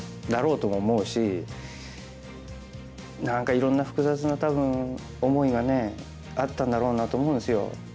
何かいろんな複雑な多分思いがねあったんだろうなと思うんですよ。